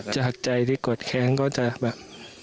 จากใจที่กดแค้นก็จะแบบ